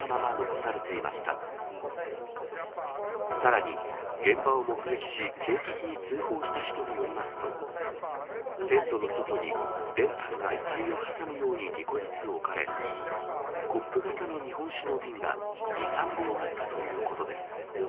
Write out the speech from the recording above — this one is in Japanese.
さらに現場を目撃し、警察に通報した人によりますと、テントの外に、練炭が遺体を挟むように２個ずつ置かれ、コップ型の日本酒の瓶が２、３本あったということです。